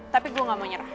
tapi gue gak mau nyerah